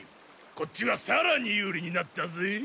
こっちはさらに有利になったぜ。